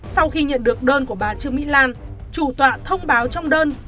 sau khi nhận được đơn của bà trương mỹ lan chủ tọa thông báo trong đơn